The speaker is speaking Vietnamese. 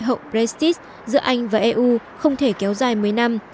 hậu brexit giữa anh và eu không thể kéo dài một mươi năm